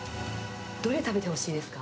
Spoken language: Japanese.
どれ食べてほしいですか？